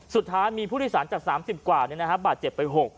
สุดท้ายมีผู้โดยสารจาก๓๐กว่าบาดเจ็บไป๖